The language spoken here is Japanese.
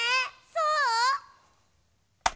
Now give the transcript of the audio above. そう？